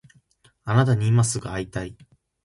あなたに今すぐ会いたい